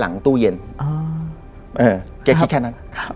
ตั้งแต่ตู้เย็นได้มาอยู่ทุกวันเลย